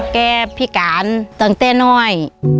แก่พี่กานตั้งแต่น้อย